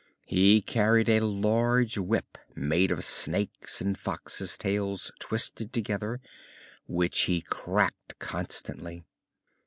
He carried a large whip made of snakes and foxes' tails twisted together, which he cracked constantly.